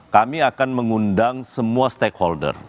kami akan mengundang semua stakeholder